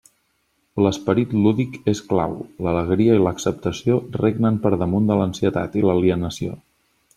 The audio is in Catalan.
L'esperit lúdic és clau, l'alegria i l'acceptació regnen per damunt de l'ansietat i l'alienació.